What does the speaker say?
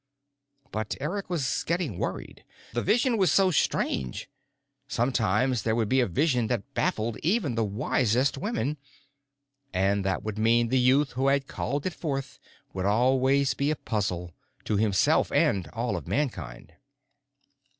But Eric was getting worried. The vision was so strange. Sometimes there would be a vision that baffled even the wisest women. And that meant the youth who had called it forth would always be a puzzle, to himself and all of Mankind.